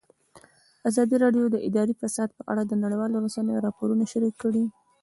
ازادي راډیو د اداري فساد په اړه د نړیوالو رسنیو راپورونه شریک کړي.